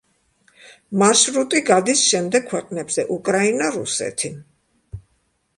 მარშრუტი გადის შემდეგ ქვეყნებზე: უკრაინა, რუსეთი.